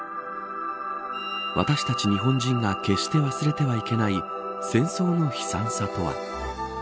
私たち日本人が決して忘れてはいけない戦争の悲惨さとは。